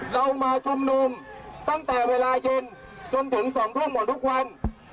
เรามาชุมนุมตั้งแต่เวลาเย็นจนถึง๒ทุ่มหมดทุกวัน